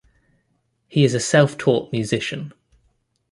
He is a self-taught musician.